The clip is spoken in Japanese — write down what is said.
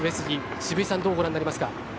渋井さんどうご覧になりますか？